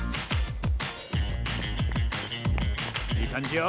いいかんじよ。